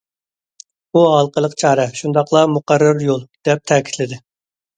بۇ ھالقىلىق چارە، شۇنداقلا مۇقەررەر يول، دەپ تەكىتلىدى.